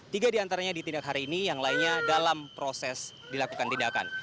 tiga diantaranya ditindak hari ini yang lainnya dalam proses dilakukan tindakan